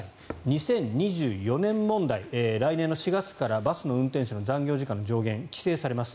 ２０２４年問題、来年の４月からバスの運転手の残業時間の上限が規制されます。